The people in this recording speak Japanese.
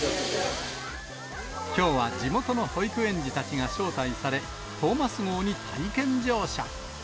きょうは地元の保育園児たちが招待され、トーマス号に体験乗車。